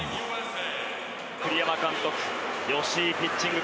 栗山監督吉井ピッチング